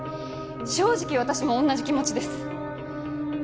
正直私も同じ気持ちです。